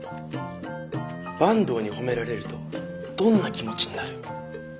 坂東に褒められるとどんな気持ちになる？